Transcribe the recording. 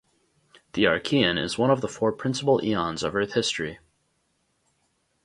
The Archean is one of the four principal eons of Earth history.